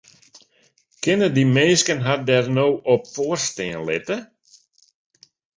Kinne dy minsken har dêr no op foarstean litte?